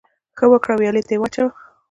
ـ ښه وکړه ، ويالې ته يې واچوه.